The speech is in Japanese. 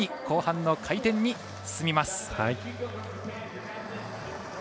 後半の回転に進みます。